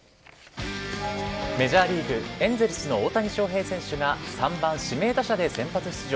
メジャーリーグエンゼルスの大谷翔平選手が３番・指名打者で先発出場。